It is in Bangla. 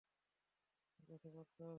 আমার কাছে বার্তা আছে।